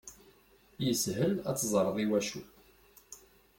Yeshel ad teẓreḍ iwacu.